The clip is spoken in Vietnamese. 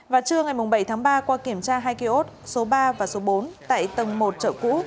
vào trưa ngày bảy tháng ba qua kiểm tra hai kiosk số ba và số bốn tại tầng một chợ cũ